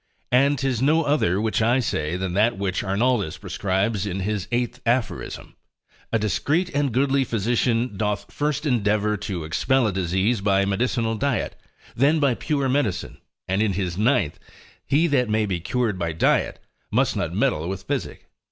And 'tis no other which I say, than that which Arnoldus prescribes in his 8. Aphoris. A discreet and goodly physician doth first endeavour to expel a disease by medicinal diet, than by pure medicine: and in his ninth, he that may be cured by diet, must not meddle with physic.